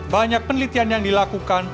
banyak penelitian yang dilakukan